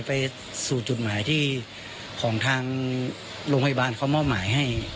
ไปสู่จุดหมายที่ของทางโรงพยาบาลเขามอบหมายให้